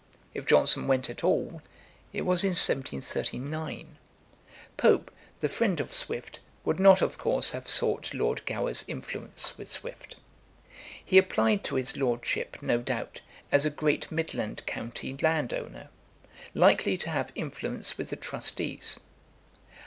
If Johnson went at all, it was in 1739. Pope, the friend of Swift, would not of course have sought Lord Gower's influence with Swift. He applied to his lordship, no doubt, as a great midland county landowner, likely to have influence with the trustees.